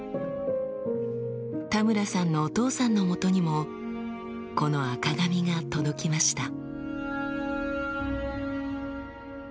田村さんのお父さんのもとにもこの赤紙が届きました。